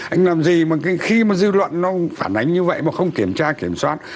anh làm gì mà khi mà dư luận nó phản ánh như vậy mà không kiểm tra kiểm soát